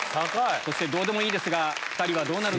そしてどうでもいいですが。